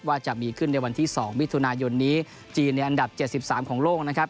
ว่าจะมีขึ้นในวันที่๒มิถุนายนนี้จีนในอันดับ๗๓ของโลกนะครับ